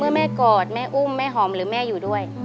แม่กอดแม่อุ้มแม่หอมหรือแม่อยู่ด้วย